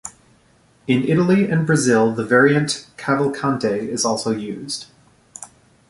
In Italy and Brazil the variant Cavalcante is also used.